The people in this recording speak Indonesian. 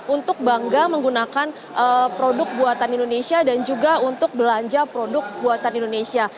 untuk bangga menggunakan produk buatan indonesia dan juga untuk belanja produk buatan indonesia